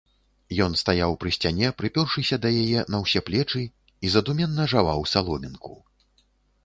Ён стаяў пры сцяне, прыпёршыся да яе на ўсе плечы, і задуменна жаваў саломінку.